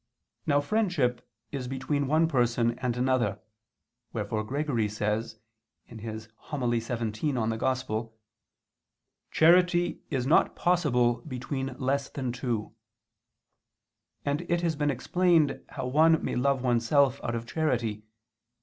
Now friendship is between one person and another, wherefore Gregory says (Hom. in Ev. xvii): "Charity is not possible between less than two": and it has been explained how one may love oneself out of charity (Q.